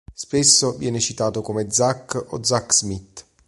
Spesso viene citato come Zach o Zack Smith.